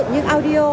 từ dựng những audio